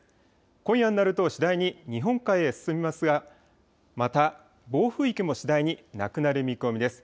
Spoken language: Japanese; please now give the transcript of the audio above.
今夜になると次第に日本海へ進みますが、また暴風域も次第になくなる見込みです。